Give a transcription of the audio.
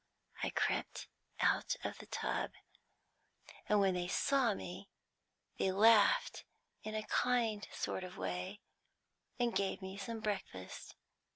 I crept out of the tub, and when they saw me, they laughed in a kind sort of way, and gave me some breakfast.